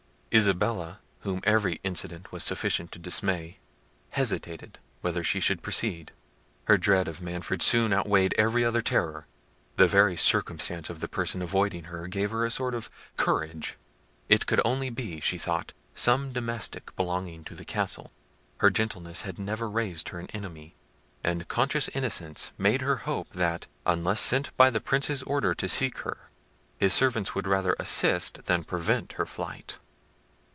Isabella, whom every incident was sufficient to dismay, hesitated whether she should proceed. Her dread of Manfred soon outweighed every other terror. The very circumstance of the person avoiding her gave her a sort of courage. It could only be, she thought, some domestic belonging to the castle. Her gentleness had never raised her an enemy, and conscious innocence made her hope that, unless sent by the Prince's order to seek her, his servants would rather assist than prevent her flight.